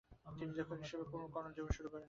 তিনি লেখক হিসেবে পূর্ণ কর্মজীবন শুরু করেন।